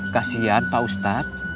kasian pak ustadz